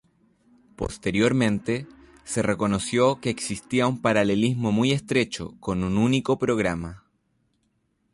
Posteriormente, se reconoció que existía un paralelismo muy estrecho con un único programa.